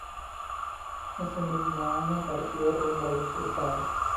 Ese mismo año partió rumbo a las Cruzadas.